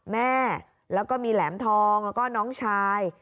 แม่แล้วก็มีแหลมทองแล้วก็น้องชาย